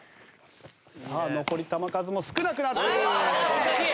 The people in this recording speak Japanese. さあ残り球数も少なくなっている。